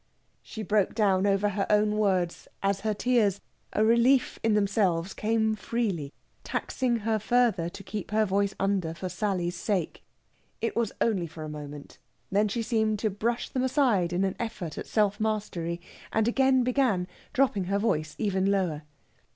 She broke down over her own words, as her tears, a relief in themselves, came freely, taxing her further to keep her voice under for Sally's sake. It was only for a moment; then she seemed to brush them aside in an effort of self mastery, and again began, dropping her voice even lower.